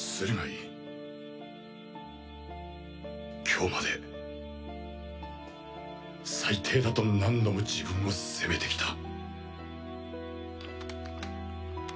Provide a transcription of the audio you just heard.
今日まで最低だと何度も自分を責めてきた。